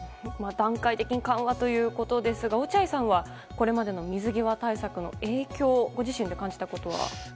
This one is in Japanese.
段階的に緩和ということですが落合さんはこれまでの水際対策の影響をご自身で感じたことは？